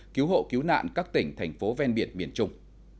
cứu hộ cứu nạn các tỉnh thành phố ven biển miền trung